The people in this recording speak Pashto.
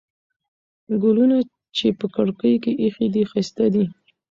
ګلونه چې په کړکۍ کې ایښي دي، ښایسته دي.